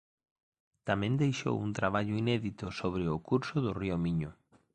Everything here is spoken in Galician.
Tamén deixou un traballo inédito sobre o curso do río Miño.